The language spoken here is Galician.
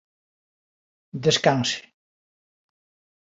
Descanse.